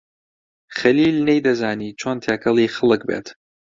خەلیل نەیدەزانی چۆن تێکەڵی خەڵک بێت.